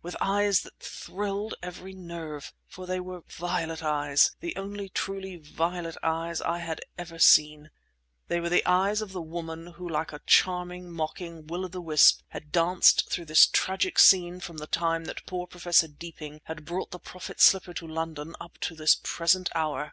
—with eyes that thrilled every nerve; for they were violet eyes, the only truly violet eyes I have ever seen! They were the eyes of the woman who like a charming, mocking will o' the wisp had danced through this tragic scene from the time that poor Professor Deeping had brought the Prophet's slipper to London up to this present hour!